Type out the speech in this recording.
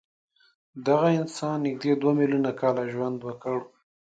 دغه انسان نږدې دوه میلیونه کاله ژوند وکړ.